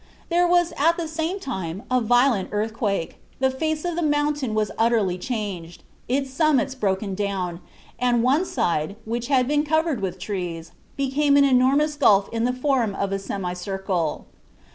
There was at the same time a violent earthquake, the face of the mountain was utterly changed, its summits broken down, and one side, which had been covered with trees, became an enormous gulf in the form of a semicircle.